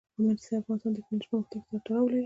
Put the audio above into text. مس د افغانستان د تکنالوژۍ پرمختګ سره تړاو لري.